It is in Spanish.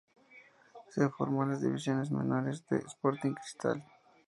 Se formó en las divisiones menores de Sporting Cristal.